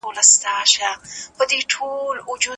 میز څېړنه او کتابتون څېړنه یو بل ته ورته دي.